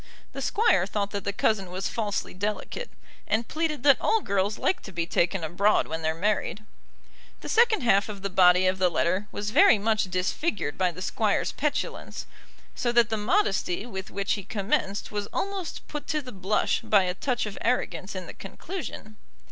The Squire thought that the cousin was falsely delicate, and pleaded that all girls like to be taken abroad when they're married. The second half of the body of the letter was very much disfigured by the Squire's petulance; so that the modesty with which he commenced was almost put to the blush by a touch of arrogance in the conclusion.